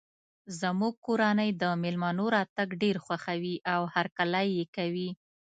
زموږ کورنۍ د مېلمنو راتګ ډیر خوښوي او هرکلی یی کوي